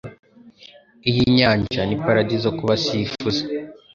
Iyi nyanja ni paradizo kubasifuzi.